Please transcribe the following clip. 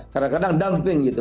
kadang kadang dumping gitu